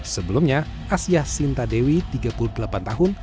sebelumnya asia sinta dewi tiga puluh delapan tahun